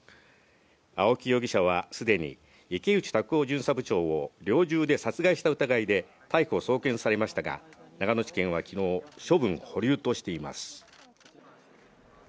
青木容疑者はすでに池内卓夫巡査部長を猟銃で殺害した疑いで逮捕・送検されましたが、長野地検はきのう、処分保留としています。